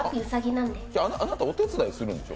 あなたお手伝いするんでしょ？